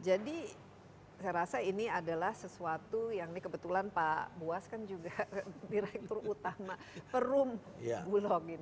jadi saya rasa ini adalah sesuatu yang ini kebetulan pak buas kan juga direktur utama perum bulog ini